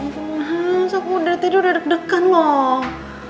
tuhan aku udah tidur udah deg degan loh